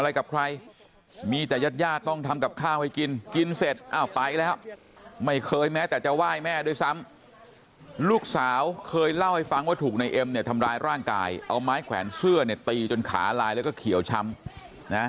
ลูกสาวเคยเล่าให้ฟังว่าถูกในเอ็มทำร้ายร่างกายเอาไม้ขวีแขวนเสื้อตีจนขาลายแล้วก็เขียวชำ